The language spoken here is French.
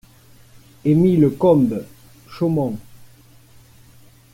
Émile Combes, Chaumont